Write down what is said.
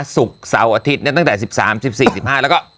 ศุกร์เสาร์อาทิตย์ตั้งแต่๑๓๑๔๑๕แล้วก็